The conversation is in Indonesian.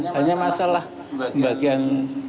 hanya masalah bagian